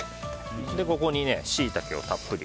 ここにシイタケをたっぷり。